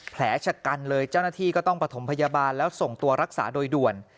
แผลชะกันเลยเจ้าหน้าที่ก็ต้องประถมพยาบาลแล้วส่งตัวรักษาโดยด่วน